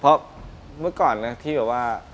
เพราะเมื่อก่อนนะที่แบบว่า